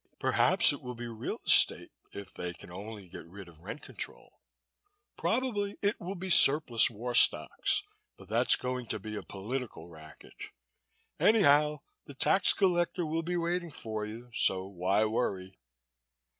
Perhaps it will be real estate, if they can only get rid of rent control. Probably it will be surplus war stocks but that's going to be a political racket. Anyhow the tax collector will be waiting for you, so why worry?"